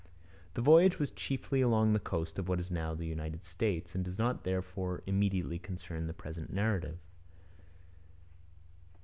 The voyage was chiefly along the coast of what is now the United States, and does not therefore immediately concern the present narrative.